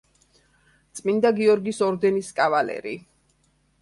წმინდა გიორგის ორდენის კავალერი.